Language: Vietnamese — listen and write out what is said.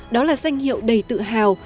đó là danh hiệu đầy tự hào